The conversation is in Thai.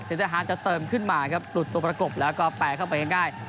ทหารจะเติมขึ้นมาครับหลุดตัวประกบแล้วก็แปลเข้าไปง่าย